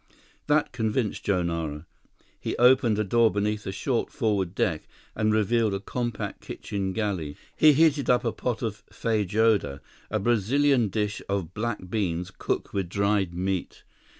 That convinced Joe Nara. He opened a door beneath the short forward deck and revealed a compact kitchen galley. He heated up a pot of feijoada, a Brazilian dish of black beans cooked with dried meat.